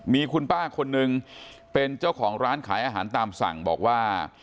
มีคุณป้าคนนึงเป็นเจ้าของร้านขายอาหารตามสั่งบอกว่า